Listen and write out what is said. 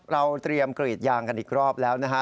เราเตรียมกรีดยางกันอีกรอบแล้วนะฮะ